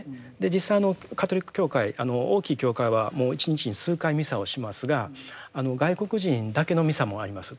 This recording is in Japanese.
実際あのカトリック教会大きい教会はもう一日に数回ミサをしますが外国人だけのミサもあります。